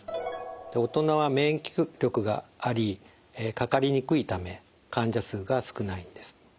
大人は免疫力がありかかりにくいため患者数が少ないんです。